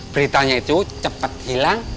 beritanya itu cepet hilang